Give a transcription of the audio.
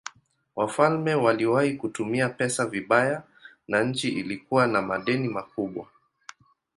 Wafalme waliwahi kutumia pesa vibaya na nchi ilikuwa na madeni makubwa.